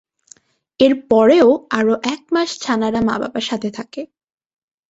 এরপরেও আরও একমাস ছানারা মা-বাবার সাথে থাকে।